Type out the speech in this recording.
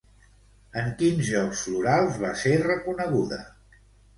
En quins Jocs Florals va ser reconeguda?